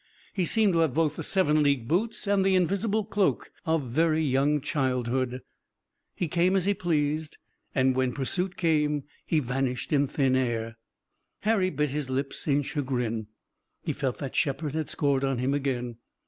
He seemed to have both the seven league boots and the invisible cloak of very young childhood. He came as he pleased, and when pursuit came he vanished in thin air. Harry bit his lips in chagrin. He felt that Shepard had scored on him again.